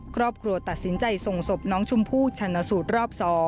ครอบครัวตัดสินใจส่งศพน้องชมพู่ชันสูตรรอบ๒